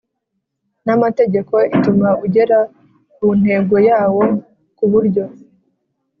n amategeko ituma ugera ku ntego yawo ku buryo